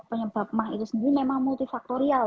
penyebab mah itu sendiri memang multifaktorial